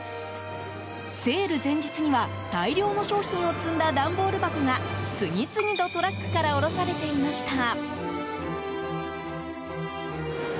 セール前日には大量の商品を積んだ段ボール箱が次々とトラックから降ろされていました。